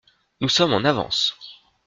Nous sommes en avance.